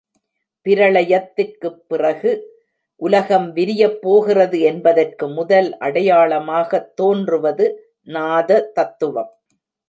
பிரளயத்திற்குப் பிறகு உலகம் விரியப் போகிறது என்பதற்கு முதல் அடையாளமாகத் தோன்றுவது நாத தத்துவம்.